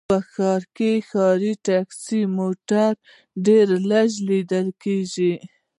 په ښار کې ښاري ټکسي موټر ډېر لږ ليدل کېږي